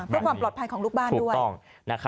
เพื่อความปลอดภัยของลูกบ้านด้วย